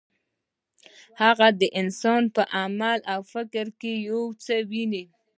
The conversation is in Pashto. هغه د انسان په عملي عقل کې یو څه ویني.